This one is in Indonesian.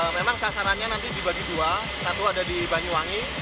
memang sasarannya nanti dibagi dua satu ada di banyuwangi